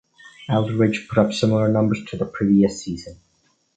Aldridge put up similar numbers to the previous season.